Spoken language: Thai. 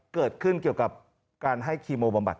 เกี่ยวกับการให้คีโมบำบัด